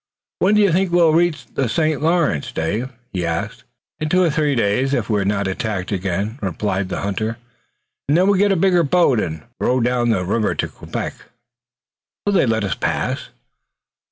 "When do you think we'll reach the St. Lawrence, Dave?" he asked. "In two or three days if we're not attacked again," replied the hunter, "and then we'll get a bigger boat and row down the river to Quebec." "Will they let us pass?"